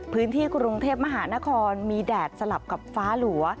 พื้นที่กรุงเทพมหานครมีแดดสลับกับฟ้าหลัว